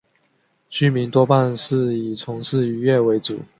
居民多半是以从事渔业为主。